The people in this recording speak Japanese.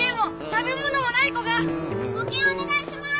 募金お願いします！